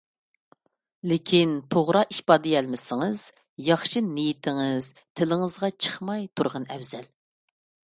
لېكىن توغرا ئىپادىلىيەلمىسىڭىز ياخشى نىيىتىڭىز تىلىڭىزغا چىقماي تۇرغىنى ئەۋزەل.